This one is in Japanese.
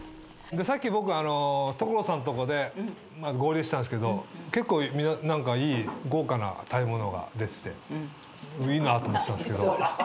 さっき僕所さんとこで合流したんですけど結構何かいい。いいなと思ってたんですけど。